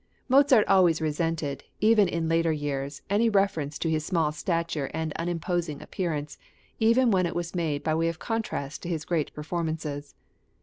Mozart always resented, even in later years, any reference to his small stature and unimposing appearance, even when it was made by way of contrast to his great performances.